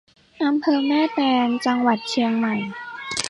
อำเภอแม่แตง จังหวัดเชียงใหม่